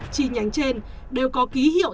chi nhánh trên đều có ký hiệu